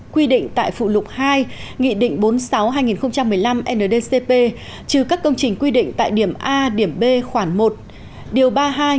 quy định tại phụ lục hai nghị định bốn mươi sáu hai nghìn một mươi năm ndcp trừ các công trình quy định tại điểm a điểm b khoản một điều ba mươi hai nghị định số bốn mươi sáu hai nghìn một mươi năm ndcp